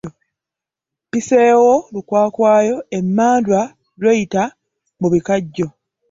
Mpiseewo lukwakwayo emmandwa lweyita mu bikajjo.